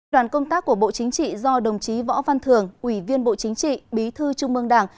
đoàn công tác của bộ chính trị do đồng chí võ văn thường ủy viên bộ chính trị bí thư trung mương đảng